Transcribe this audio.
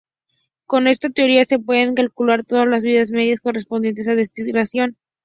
Con esta teoría se pueden calcular todas las vidas medias correspondientes a desintegración alfa.